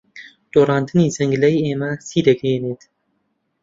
دۆڕاندنی جەنگ لای ئێمە چی دەگەیەنێت؟